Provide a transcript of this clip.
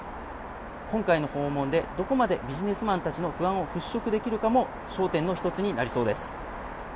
今回の訪問でどこまでビジネスマンたちの不安を払拭できるのかも焦点一つになりそうです。